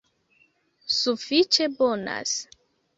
Sufiĉe bonas